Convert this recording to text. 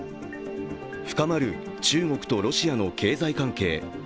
深まる中国とロシアの経済関係。